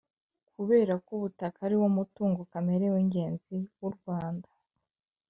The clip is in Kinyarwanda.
Kubera ko ubutaka ariwo mutungo kamere w ingenzi wu u Rwanda